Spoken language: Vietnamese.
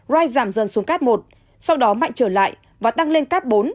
rise giảm dần xuống kat một sau đó mạnh trở lại và tăng lên kat bốn